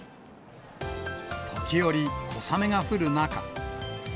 時折、小雨が降る中。